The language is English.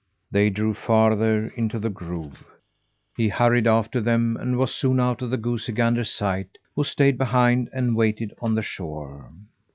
They drew farther into the grove. He hurried after them, and was soon out of the goosey gander's sight who stayed behind and waited on the shore.